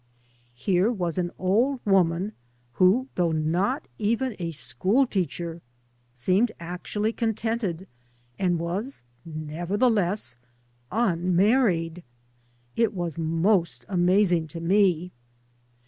Here was an old woman who, though not even a school teacher, seemed actually contented, and was nevertheless — unmarried. It was most amazing to me.